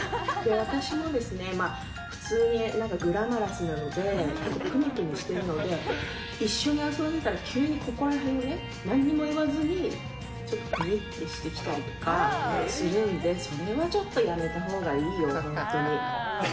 私もですね、普通にグラマラスなので、ぷにぷにしてるので、一緒に遊んでたら、急にここら辺ね、何も言わずにちょっとぷにってしてきたりとかするんで、それはちょっと、やめたほうがいいよ、本当に。